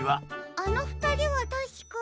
あのふたりはたしか。